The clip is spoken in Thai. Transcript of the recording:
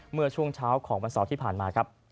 เมื่อช่วงเช้าของวันเสาร์ที่ผ่านมาครับ